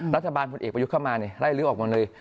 พลเอกประยุทธ์เข้ามาไล่ลื้อออกมาเลย